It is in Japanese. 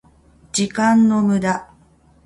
時間の無駄